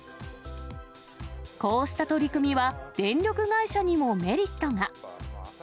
こうした取り組みは、電力会社にもメリットが。